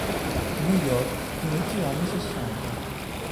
New York, inizio anni sessanta.